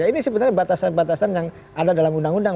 ini sebenarnya batasan batasan yang ada dalam undang undang